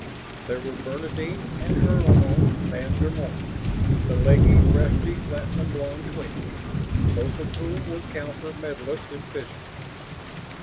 There were Bernadine and Hermione van der Moen, the leggy, breasty, platinum blonde twins both of whom were Cowper medalists in physics.